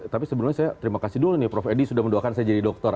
tapi sebelumnya saya terima kasih dulu nih prof edi sudah mendoakan saya jadi dokter